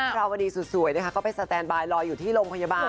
เวลาวันนี้สวยก็ไปสแตนบายรออยอยู่ที่โรงพยาบาล